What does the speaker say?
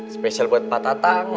spesial buat pak tatang